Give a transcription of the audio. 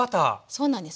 そうなんです。